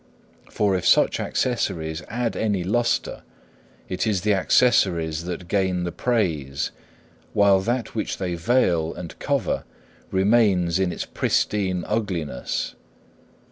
For if such accessories add any lustre, it is the accessories that get the praise, while that which they veil and cover remains in its pristine ugliness.